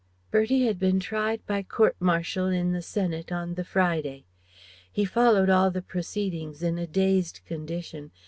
Bertie had been tried by court martial in the Senate, on the Friday. He followed all the proceedings in a dazed condition.